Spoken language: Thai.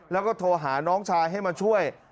แล้วก็โทรหาน้องชายให้มาช่วย